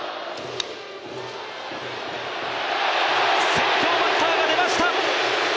先頭バッターが出ました。